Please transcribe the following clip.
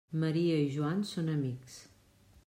Maria i Joan són amics.